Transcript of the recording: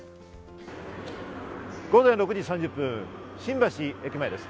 午前６時３０分、新橋駅前です。